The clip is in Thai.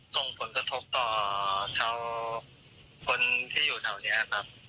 ส่งผลกระทบต่อชาวคนที่อยู่แถวนี้ครับ